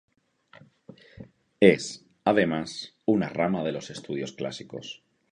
Es, además, una rama de los estudios clásicos.